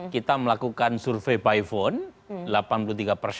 kita melakukan survei by phone